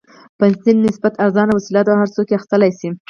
پنسل نسبتاً ارزانه وسیله ده او هر څوک یې اخیستلای شي.